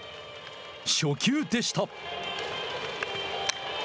初球でした。